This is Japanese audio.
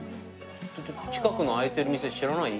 「近くの開いてる店知らない？」